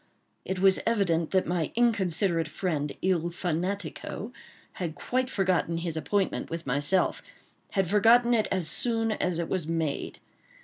It was evident that my considerate friend, il fanatico, had quite forgotten his appointment with myself—had forgotten it as soon as it was made.